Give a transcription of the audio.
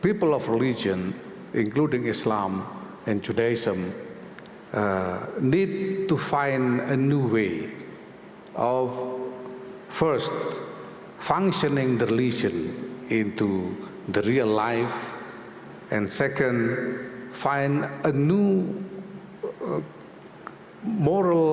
orang orang agama termasuk islam dan judaism